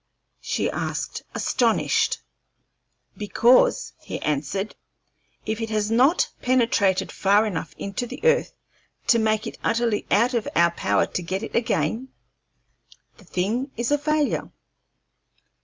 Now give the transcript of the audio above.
she asked, astonished. "Because," he answered, "if it has not penetrated far enough into the earth to make it utterly out of our power to get it again, the thing is a failure."